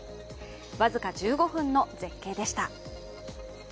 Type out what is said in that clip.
僅か１５分の絶景でした。